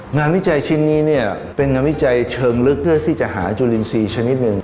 วิจัยชิ้นนี้เนี่ยเป็นงานวิจัยเชิงลึกเพื่อที่จะหาจุลินทรีย์ชนิดหนึ่ง